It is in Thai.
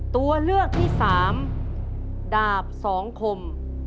ตัวเลือกที่สามดาบสองคม